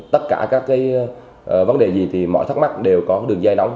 tất cả các vấn đề gì thì mọi thắc mắc đều có đường dây nóng